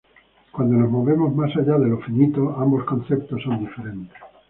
Cuando nos movemos más allá de lo finito, ambos conceptos son diferentes.